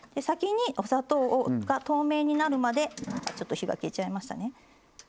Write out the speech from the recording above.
先にお砂糖が透明になるまでちょっと火が消えちゃいましたね。